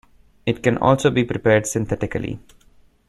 It can also be prepared synthetically.